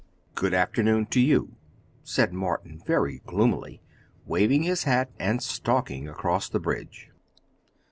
"Good afternoon to you," said Morton very gloomily, waving his hat and stalking across the bridge.